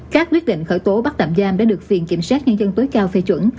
các quyết định khởi tố bắt tạm giam đã được phiền kiểm soát nhân dân tối cao phê chuẩn